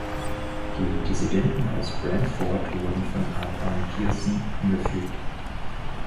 Die Dissidenten aus Branford wurden von Abraham Pierson angeführt.